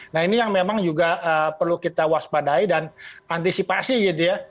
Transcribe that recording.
nah ini yang memang juga perlu kita waspadai dan antisipasi gitu ya